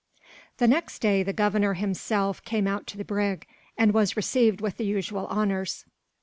The next day the Governor himself came off to the brig, and was received with the usual honours.